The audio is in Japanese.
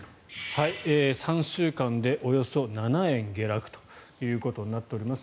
３週間でおよそ７円下落ということになっています。